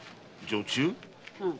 うん。